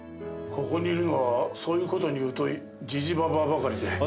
ここにいるのはそういうことに疎いじじばばばかりで。